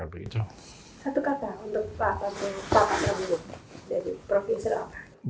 satu kata untuk pak harto pak prabowo